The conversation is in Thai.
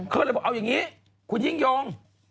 เขาเลยบอกเอาอย่างนี้คุณยิ่งยง